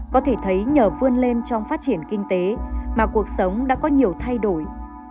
có thể thấy nhờ vươn lên trong phát triển kinh tế mà cuộc sống đã có nhiều thay đổi